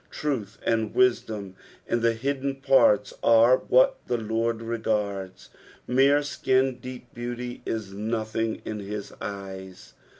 Truth and wisdom in the hidden parts are what the Lord regards; mere skin deep beauty is nothing in his eyes.